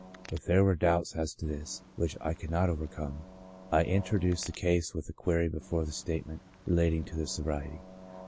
If there were doubts as to this, which I could not overcome, I in troduced the case with a query before the statement relat ing to the sobriety.